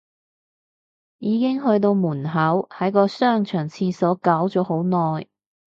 已經去到門口，喺個商場廁所搞咗好耐